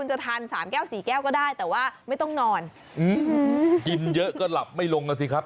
จะทานสามแก้วสี่แก้วก็ได้แต่ว่าไม่ต้องนอนกินเยอะก็หลับไม่ลงอ่ะสิครับ